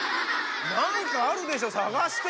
何かあるでしょ探して。